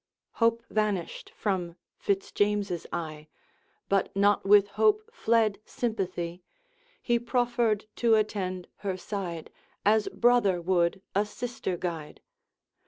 Hope vanished from Fitz James's eye, But not with hope fled sympathy. He proffered to attend her side, As brother would a sister guide.